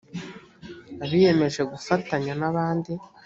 abiyemeje gufatanya n’ abandi